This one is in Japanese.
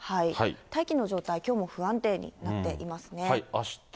大気の状態、きょうも不安定になっていますね。